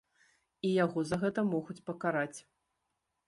І яго за гэта могуць пакараць.